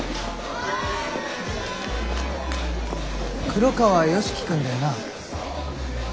黒川良樹くんだよな？